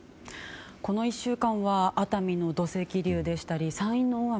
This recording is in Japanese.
この１週間は熱海の土石流でしたり山陰の大雨